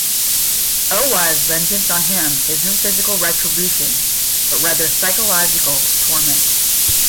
Oiwa's vengeance on him isn't physical retribution, but rather psychological torment.